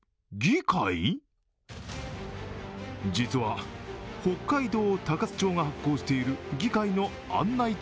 実は、北海道鷹栖町が発行している議会の案内